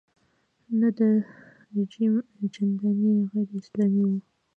نه دا رژیم چندانې غیراسلامي و.